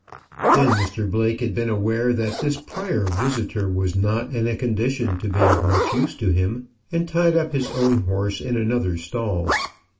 Then Mr Blake had been aware that this prior visitor was not in a condition to be of much use to him, and tied up his own horse in another stall.